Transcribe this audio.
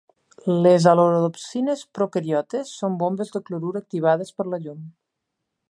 Les halorodopsines procariotes són bombes de clorur activades per la llum.